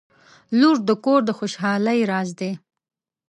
• لور د کور د خوشحالۍ راز دی.